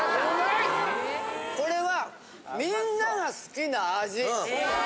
これはみんなが好きな味。